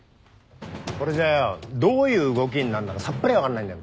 これじゃよどういう動きになんのかさっぱり分かんないんだよ。